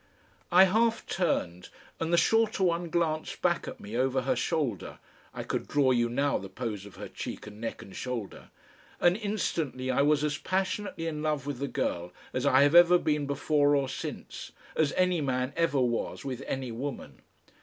I half turned, and the shorter one glanced back at me over her shoulder I could draw you now the pose of her cheek and neck and shoulder and instantly I was as passionately in love with the girl as I have ever been before or since, as any man ever was with any woman.